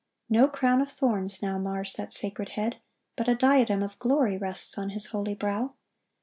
No crown of thorns now mars that sacred head, but a diadem of glory rests on His holy brow.